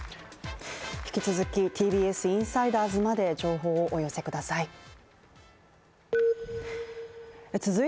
引き続き、ＴＢＳインサイダーズまで情報をお寄せください。